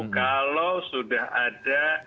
kalau sudah ada